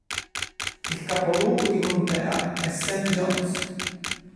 Il capoluogo di contea è St. Johns.